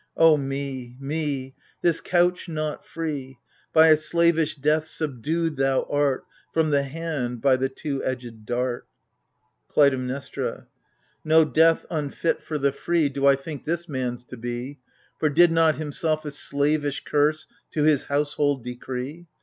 Oh, me — me ! This couch not free ! By a slavish death subdued thou art, From the hand, by the two edged dart. KLUTAIMNESTRA. No death " unfit for the free " AGAMEMNON. Do I think this man's to be : For did not himself a slavish curse To his household decree